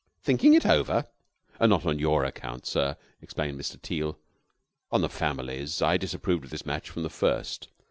"Thinking it over?" "Not on your account, sir," explained Mr. Teal. "On the family's. I disapproved of this match from the first.